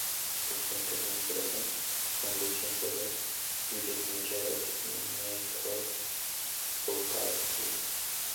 Sus fuentes de inspiración son Lucien Febvre, Jules Michelet y Michel Foucault.